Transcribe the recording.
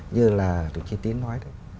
như là tụi chị tín nói đấy